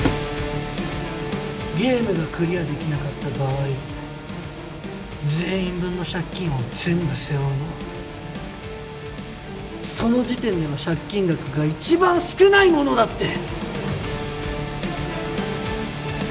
ゲームがクリアできなかった場合全員分の借金を全部背負うのはその時点での借金額が一番少ない者だって！